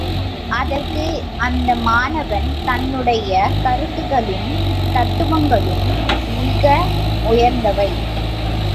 அதற்கு அந்த மாணவன், தன்னுடைய கருத்துக்களும் தத்துவங்களும் மிக உயர்ந்தவை.